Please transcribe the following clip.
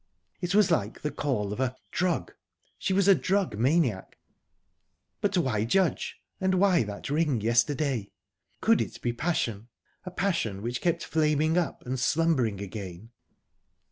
_ It was like the call of a drug; she was a drug maniac...But why Judge? And why that ring yesterday? Could it be passion?...A passion which kept flaming up, and slumbering again?...